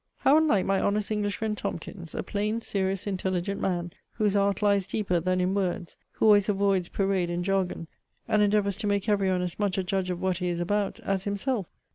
How unlike my honest English friend Tomkins, a plain serious, intelligent man, whose art lies deeper than in words; who always avoids parade and jargon; and endeavours to make every one as much a judge of what he is about as himself!